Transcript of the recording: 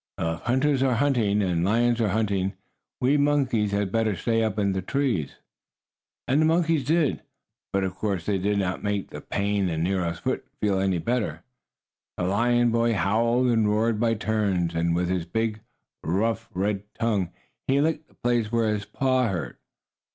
Well, if hunters are hunting and lions are hunting, we monkeys had better stay up in the trees." And the monkeys did. But of course that did not make the pain in Nero's foot any better. The lion boy howled and roared by turns, and with his big, rough, red tongue, he licked the place where his paw hurt.